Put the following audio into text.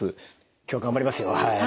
今日頑張りますよはい。